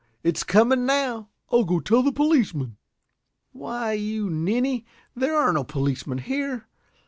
It's coming now." "I'll go tell the policeman." "Why, you ninny, there are no policemen here.